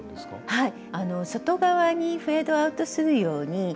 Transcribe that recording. はい。